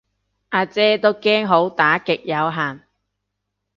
呀姐都驚好打極有限